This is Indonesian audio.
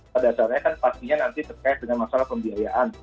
pada dasarnya kan pastinya nanti terkait dengan masalah pembiayaan